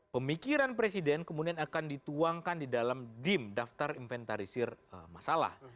pemikiran presiden kemudian akan dituangkan di dalam dim daftar inventarisir masalah